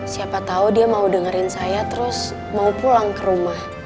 siapa tahu dia mau dengerin saya terus mau pulang ke rumah